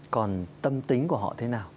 còn tâm tính của họ thế nào